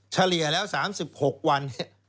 เฉลี่ยแล้ว๓๖วัน